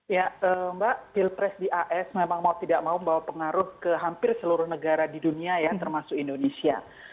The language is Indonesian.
ya mbak pilpres di as memang mau tidak mau membawa pengaruh ke hampir seluruh negara di dunia ya termasuk indonesia